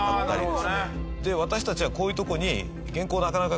私たちはこういう所に。